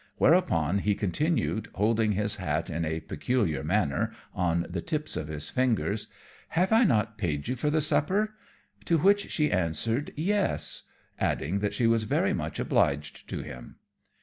Whereupon he continued, holding his old hat in a peculiar manner, on the tips of his fingers, "Have I not paid you for the supper?" To which she answered, "Yes;" adding that she was very much obliged to him.